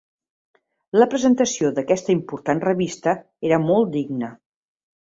La presentació d'aquesta important revista era molt digna.